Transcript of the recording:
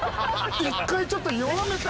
１回ちょっと弱めて。